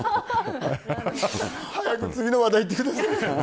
早く次の話題いってください。